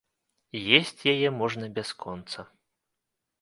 Есць яе можна бясконца.